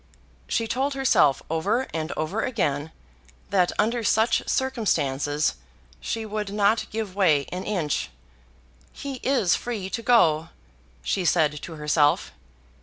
She told herself over and over again, that under such circumstances she would not give way an inch. "He is free to go," she said to herself.